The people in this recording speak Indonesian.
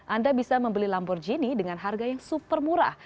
anda bisa membeli lamborghini dengan harga yang super murah